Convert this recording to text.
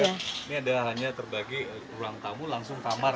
ini ada hanya terbagi ruang tamu langsung kamar